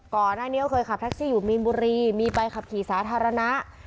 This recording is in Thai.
ก่อนอันนี้เขาเคยขับทักซี่อยู่มีนบุรีมีไปขับขี่สาธารณะ